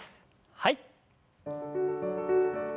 はい。